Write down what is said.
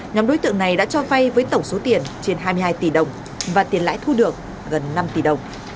nhóm đối tượng này đã cho vay với tổng số tiền trên hai mươi hai tỷ đồng và tiền lãi thu được gần năm tỷ đồng